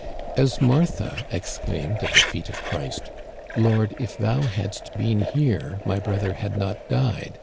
As Martha exclaimed at the feet of Christ, * Lord, if thou hadst been here, my brother had not died.